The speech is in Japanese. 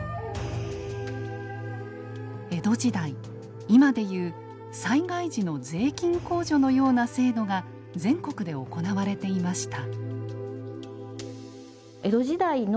江戸時代今で言う災害時の税金控除のような制度が全国で行われていました。